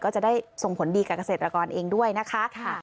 ก็จะได้ส่งผลดีกับเกษตรกรเองด้วยนะคะ